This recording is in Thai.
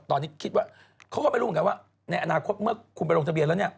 ตอนนี้คิดว่าเขาก็ไม่รู้เหมือนกันว่าในอนาคตเมื่อคุณไปลงทะเบียนแล้วเนี่ย